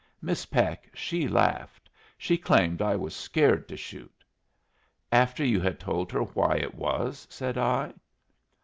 Miss Peck, she laughed. She claimed I was scared to shoot." "After you had told her why it was?" said I.